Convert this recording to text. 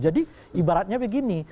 jadi ibaratnya begini